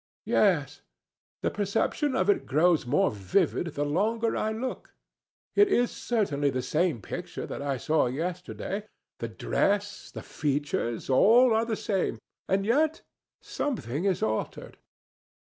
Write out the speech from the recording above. "Yes; the perception of it grows more vivid the longer I look. It is certainly the same picture that I saw yesterday; the dress, the features, all are the same, and yet something is altered."